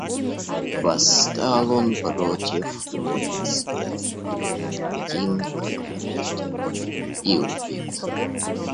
Восстал он против мнений света один, как прежде... и убит!